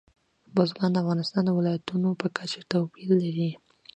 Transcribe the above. بزګان د افغانستان د ولایاتو په کچه توپیر لري.